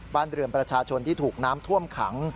บ้านเรือนประชาชนที่ถูกน้ำท่วมขัง